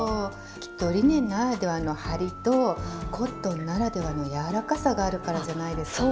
きっとリネンならではのハリとコットンならではの柔らかさがあるからじゃないですかね。